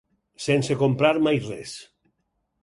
Sense comprar mai res.